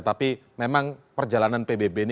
tapi memang perjalanan pbb ini